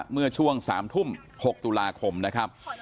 เมื่อช่วง๓ทุ่ม๖ตุลาคมนะครับ